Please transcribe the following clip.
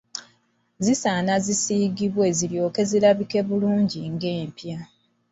Zisaana zisiigibwe ziryoke zirabike bulungi ng'empya.